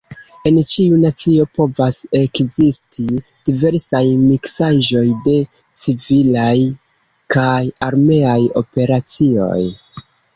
En ĉiu nacio povas ekzisti diversaj miksaĵoj de civilaj kaj armeaj operacioj.